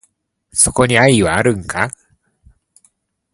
そこに愛はあるんか？